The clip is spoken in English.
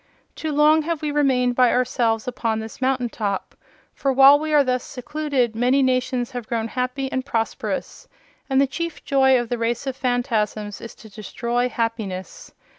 Too long have we remained for ourselves upon this mountain top, for while we are thus secluded many nations have grown happy and prosperous, and the chief joy of the race of Phanfasms is to destroy happiness.